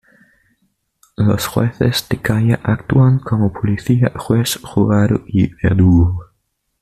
Los jueces de calle actúan como policía, juez, jurado y verdugo.